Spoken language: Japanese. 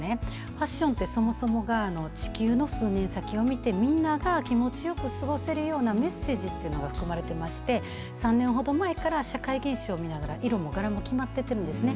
ファッションって、そもそもが、地球の数年先を見て、みんなが気持ちよく過ごせるようなメッセージっていうのが含まれてまして、３年ほど前から、社会現象を見ながら、色も柄も決まってるんですね。